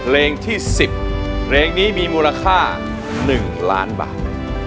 เพลงที่๑๐เพลงนี้มีมูลค่า๑ล้านบาท